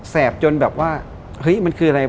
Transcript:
แปบจนแบบว่าเฮ้ยมันคืออะไร